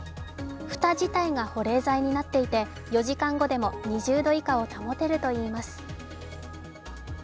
蓋自体が保冷剤になっていて４時間後でも２０度以下を保てるといいます。